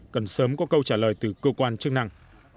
cần sớm có câu trả lời từ cơ quan chức năng